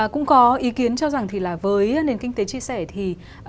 cũng có ý kiến cho rằng thì là với nền kinh tế chia sẻ thì